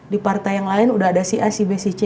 di partai yang lain udah ada si a si b si c